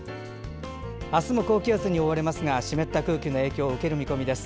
明日も高気圧に覆われますが湿った空気の影響を受ける見込みです。